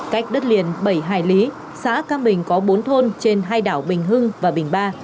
cách đất liền bảy hải lý xã cam bình có bốn thôn trên hai đảo bình hưng và bình ba